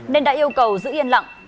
nên đã yêu cầu giữ yên lặng